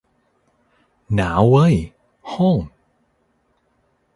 หนาวเว้ย โฮ่ง